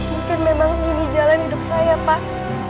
mungkin memang ini jalan hidup saya pak